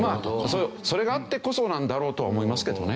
それがあってこそなんだろうとは思いますけどね。